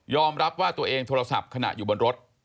รับว่าตัวเองโทรศัพท์ขณะอยู่บนรถ